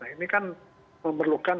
ini kan memerlukan